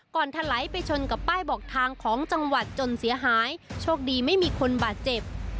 ถลายไปชนกับป้ายบอกทางของจังหวัดจนเสียหายโชคดีไม่มีคนบาดเจ็บ